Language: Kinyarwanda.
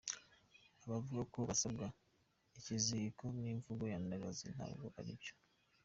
Abavuga ko basabwa ikiziriko ni imvugo nyandagazi ntabwo aribyo.